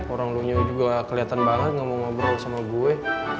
orang lunyonya juga keliatan banget gak mau ngobrol sama gue